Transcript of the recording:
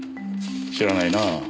知らないな。